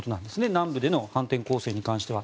南部での反転攻勢に関しては。